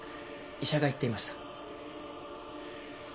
医者が言っていました。